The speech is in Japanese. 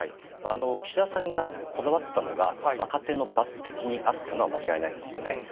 岸田さんがこだわったのが、若手の抜てきにあったのは間違いないですよね。